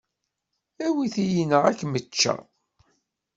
Awwet-iyi neɣ ad kem-ččeɣ.